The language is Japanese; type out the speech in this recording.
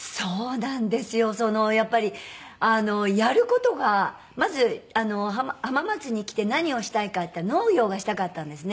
やっぱりやる事がまず浜松に来て何をしたいかっていったら農業がしたかったんですね。